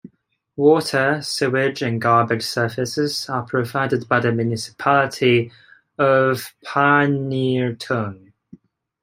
Water, sewage, and garbage services are provided by the municipality of Pangnirtung.